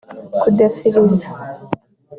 kudefiriza